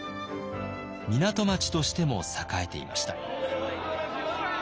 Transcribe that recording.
港町としても栄えていました。